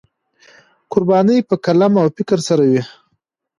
قرباني په قلم او فکر سره وي.